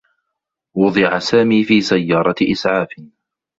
وُضع سامي في سيّارة إسعاف.